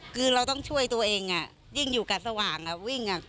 คือเราต้องช่วยตัวเองอ่ะยิ่งอยู่กัดสว่างอ่ะวิ่งอ่ะ